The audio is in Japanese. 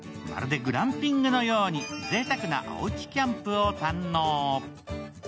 まるでグランピングのように、ぜいたくなおうちキャンプを堪能。